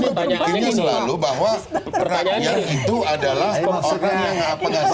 jadi kita ingin selalu bahwa pertanyaan itu adalah orang yang mengapagasinya indah